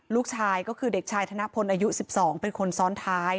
ลูกชายก็คือเด็กชายธนพลอายุ๑๒เป็นคนซ้อนท้าย